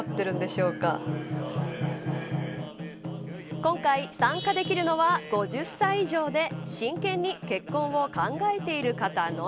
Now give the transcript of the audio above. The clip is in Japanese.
今回、参加できるのは５０歳以上で、真剣に結婚を考えている方のみ。